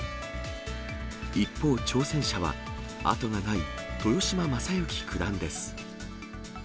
一方、挑戦者は、後がない豊島将之九段です。